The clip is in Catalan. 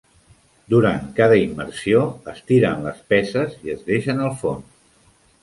Durant cada immersió es tiren les peses i es deixen al fons.